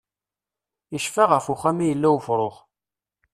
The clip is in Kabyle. Icfa ɣef uxxam i yella ufrux.